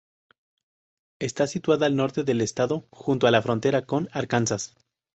Está situada al norte del estado, junto a la frontera con Arkansas.